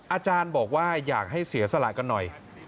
อาจารย์บอกว่าอยากให้เสียสละกันหน่อย